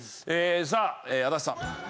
さあ足立さん。